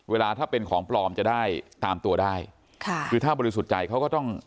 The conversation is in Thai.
เวลาถ้าเป็นของปลอมจะได้ตามตัวได้ค่ะคือถ้าบริสุทธิ์ใจเขาก็ต้อง